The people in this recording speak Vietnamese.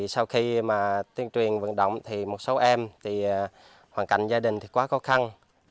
sau khi tuyên truyền vận động một số em hoàn cảnh gia đình quá khó khăn